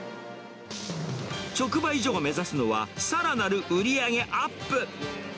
直売所が目指すのは、さらなる売り上げアップ。